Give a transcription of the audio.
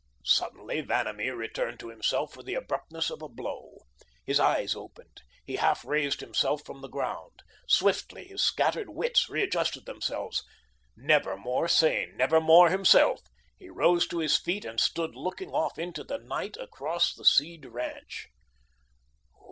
Suddenly Vanamee returned to himself with the abruptness of a blow. His eyes opened. He half raised himself from the ground. Swiftly his scattered wits readjusted themselves. Never more sane, never more himself, he rose to his feet and stood looking off into the night across the Seed ranch.